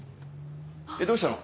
どうしたの？